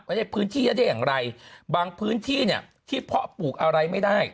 ในพื้นที่เยอะได้อย่างไรบางพื้นที่เนี่ยที่เพาะปลูกอะไรไม่ได้